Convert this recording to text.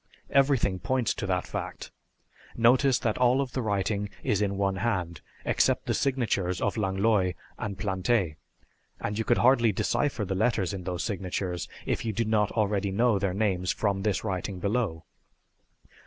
"Everything points to that fact. Notice that all of the writing is in one hand, except the signatures of Langlois and Plante, and you could hardly decipher the letters in those signatures if you did not already know their names from this writing below.